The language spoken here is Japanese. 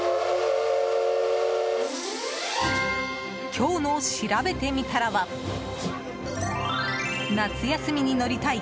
今日のしらべてみたらは夏休みに乗りたい！